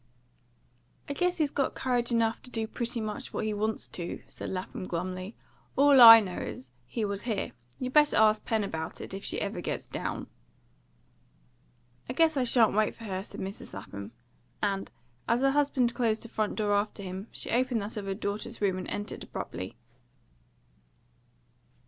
"I guess he's got courage enough to do pretty much what he wants to," said Lapham glumly. "All I know is, he was here. You better ask Pen about it, if she ever gets down." "I guess I shan't wait for her," said Mrs. Lapham; and, as her husband closed the front door after him, she opened that of her daughter's room and entered abruptly.